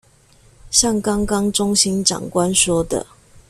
像剛剛中心長官說的